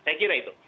saya kira itu